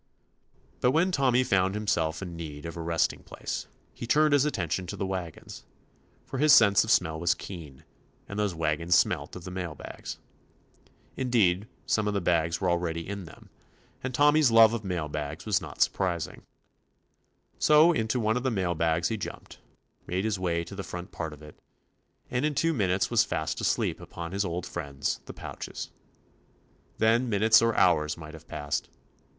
But when Tommy found himself in need of a resting place he turned his attention to the wagons, for his sense of smell was keen, and those wagons smelt of the mail bags. Indeed, some of the bags were already in them, and 70 TOMMY POSTOFFICE Tommy's love of mail bags was not surprising. So into one of the wagons he jumped, made his way to the front part of it, and in two min utes was fast asleep upon his old friends, the pouches. Then minutes or hours might have passed.